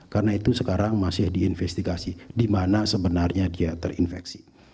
karena itu sekarang masih diinvestigasi di mana sebenarnya dia terinfeksi